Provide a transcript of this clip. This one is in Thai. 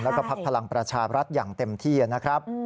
แล้วก็พักพลังประชาบรัฐอย่างเต็มที่นะครับ